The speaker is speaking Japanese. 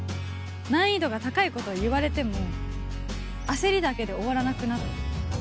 難易度が高いことを言われても、焦りだけで終わらなくなった。